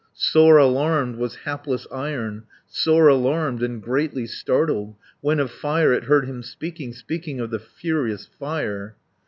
"Sore alarmed was hapless Iron, Sore alarmed, and greatly startled, 140 When of Fire it heard him speaking, Speaking of the furious Fire.